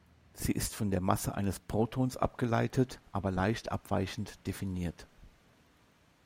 Sie ist von der Masse eines Protons abgeleitet, aber leicht abweichend definiert.